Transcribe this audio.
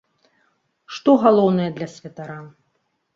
Што галоўнае для святара?